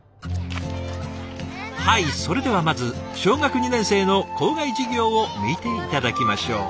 はいそれではまず小学２年生の校外授業を見て頂きましょう。